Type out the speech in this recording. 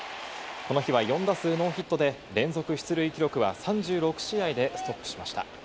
この日は４打数ノーヒットで連続出塁記録は３６試合でストップしました。